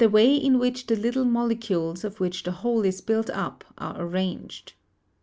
way in which the little molecules of which the whole is built up are arranged.